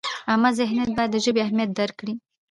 عامه ذهنیت باید د ژبې اهمیت درک کړي.